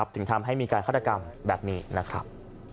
ถึงทำให้มีการฆาตกรรมแบบนี้นะครับ